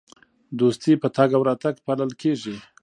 دوستي په تګ او راتګ پالل کیږي.